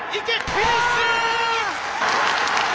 フィニッシュ！